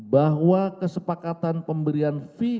bahwa kesepakatan pemberian fee